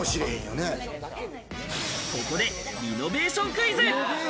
ここでリノベーションクイズ。